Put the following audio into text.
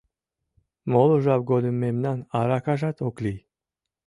Моло жап годым мемнан аракажат ок лий.